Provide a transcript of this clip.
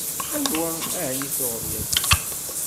Anwa εni tuɣeḍ yakan?